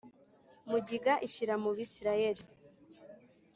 mugiga ishira mu Bisirayeli